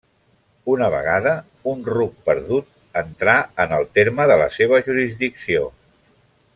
Una vegada un ruc perdut entrà en el terme de la seva jurisdicció.